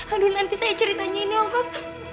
aduh nanti saya ceritanya ini oh mas